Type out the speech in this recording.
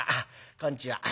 「こんちは」。